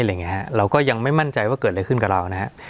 อะไรอย่างเงี้ยฮะเราก็ยังไม่มั่นใจว่าเกิดอะไรขึ้นกับเรานะฮะ